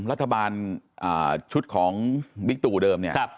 รัฐบาลชุดของวิกตู่เดิม